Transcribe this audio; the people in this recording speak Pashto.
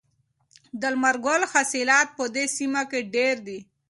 د لمر ګل حاصلات په دې سیمه کې ډیر دي.